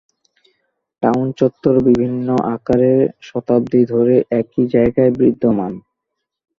Town চত্বর বিভিন্ন আকারে শতাব্দী ধরে একই জায়গায় বিদ্যমান।